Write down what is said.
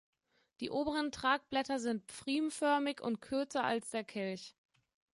Die oberen Tragblätter sind pfriemförmig und kürzer als der Kelch.